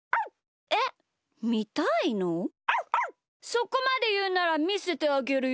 そこまでいうならみせてあげるよ。